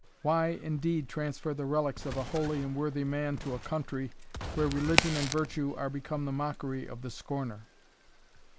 Why, indeed, transfer the relics of a holy and worthy man to a country, where religion and virtue are become the mockery of the scorner?